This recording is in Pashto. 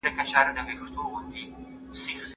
خصوصي پوهنتون په خپلواکه توګه نه اداره کیږي.